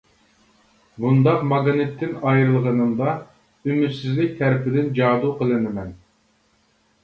بۇنداق ماگنىتتىن ئايرىلغىنىمدا ئۈمىدسىزلىك تەرىپىدىن جادۇ قىلىنىمەن.